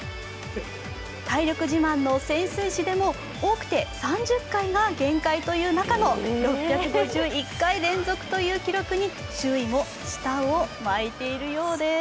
体力自慢の潜水士でも多くて３０回が限界という中の６５１回連続という記録に周囲も舌を巻いているようです。